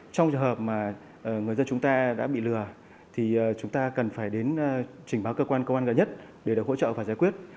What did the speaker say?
trong trường hợp mà người dân chúng ta đã bị lừa thì chúng ta cần phải đến trình báo cơ quan công an gần nhất để được hỗ trợ và giải quyết